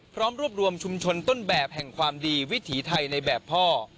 พร้อมรวบรวมชุมชนต้นแบบแห่งความดีวิถีไทยในแบบพ่อ